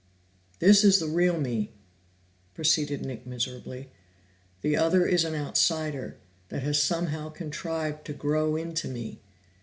"This is the real me," proceeded Nick miserably. "The other is an outsider, that has somehow contrived to grow into me.